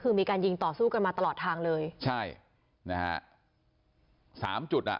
คือมีการยิงต่อสู้กันมาตลอดทางเลยใช่นะฮะสามจุดอ่ะ